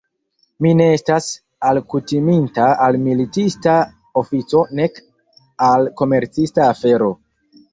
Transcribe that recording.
Mi ne estas alkutiminta al militista ofico nek al komercista afero.